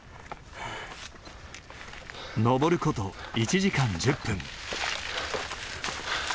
登る事１時間１０分。